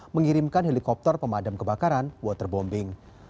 mengirimkan helikopter pemadam kebakaran waterbombing